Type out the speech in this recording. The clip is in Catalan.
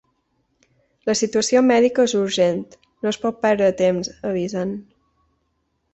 La situació mèdica és urgent, no es pot perdre temps, avisen.